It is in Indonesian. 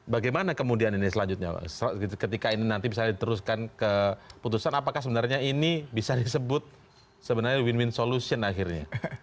bagaimana kemudian ini selanjutnya ketika ini nanti bisa diteruskan keputusan apakah sebenarnya ini bisa disebut sebenarnya win win solution akhirnya